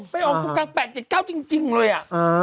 ไปออกตรงกลาง๘๗๙จริงเลย